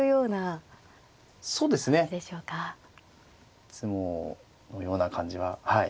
いつものような感じははい。